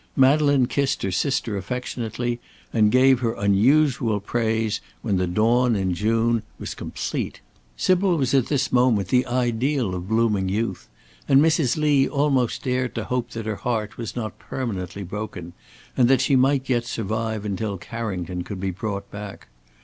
Madeleine kissed her sister affectionately, and gave her unusual praise when the "Dawn in June" was complete. Sybil was at this moment the ideal of blooming youth, and Mrs. Lee almost dared to hope that her heart was not permanently broken, and that she might yet survive until Carrington could be brought back.